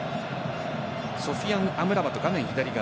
ソフィアン・アムラバト画面左側。